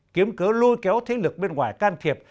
kiếm cớ lôi kéo thế lực bên ngoài can thiệp